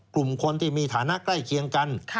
กลุ่มคนที่มีฐานะใกล้เคียงกัน